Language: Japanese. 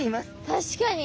確かに。